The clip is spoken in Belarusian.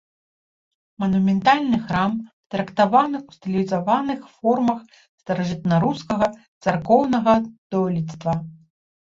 Манументальны храм трактаваны ў стылізаваных формах старажытнарускага царкоўнага дойлідства.